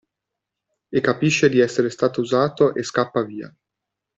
E capisce di essere stato usato e scappa via.